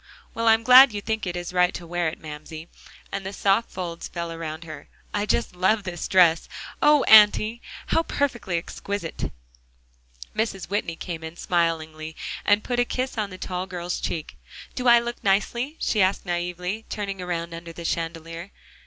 Well, I'm glad you think it is right to wear it, Mamsie," as the soft folds fell around her. "I just love this dress. Oh, Auntie! how perfectly exquisite!" Mrs. Whitney came in smilingly and put a kiss on the tall girl's cheek. "Do I look nicely?" she asked naively, turning around under the chandelier.